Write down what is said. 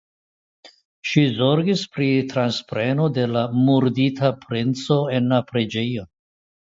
Ŝi zorgis pri transpreno de la murdita princo en la preĝejon.